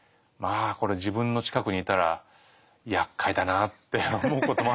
これ自分の近くにいたらやっかいだなって思うこともあるんですが。